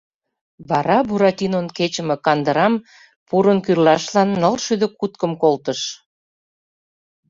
Вара Буратинон кечыме кандырам пурын кӱрлашлан нылшӱдӧ куткым колтыш.